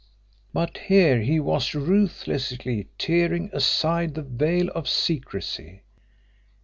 But here he was ruthlessly tearing aside the veil of secrecy.